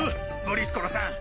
ブリスコラさん。